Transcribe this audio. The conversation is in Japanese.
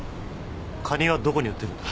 カニはどこに売ってるんだ？